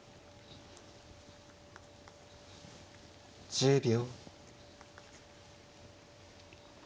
１０秒。